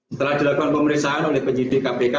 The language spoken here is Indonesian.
setelah dilakukan pemeriksaan oleh penyidik kpk